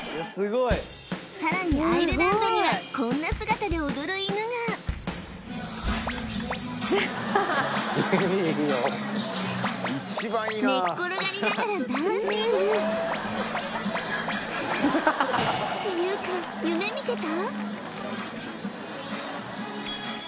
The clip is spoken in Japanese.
さらにアイルランドにはこんな姿で踊る犬が寝っ転がりながらダンシングていうか夢見てた？